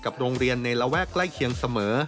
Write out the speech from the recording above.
โรงเรียนในระแวกใกล้เคียงเสมอ